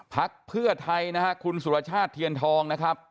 พักเพื่อไทยนะฮะคุณสุรชาติเทียนทองนะครับ